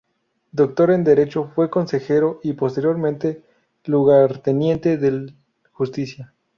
Doctor en Derecho, fue consejero y posteriormente lugarteniente del Justicia.